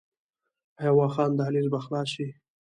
آیا واخان دهلیز به خلاص شي؟